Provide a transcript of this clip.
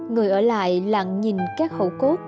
người ở lại lặng nhìn các hậu cốt